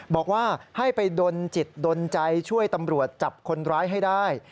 บอกว่าให้ไปดนจิตดนใจช่วยตำรวจจับคนร้ายให้ได้